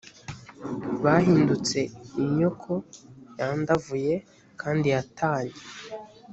bahindutse inyoko yandavuye kandi yatannye.